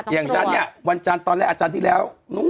อย่างจ๊ะวันตอนแรกอาจารย์ที่แล้ว